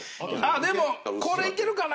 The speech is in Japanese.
でもこれいけるかな。